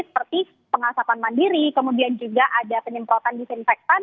seperti pengasapan mandiri kemudian juga ada penyemprotan disinfektan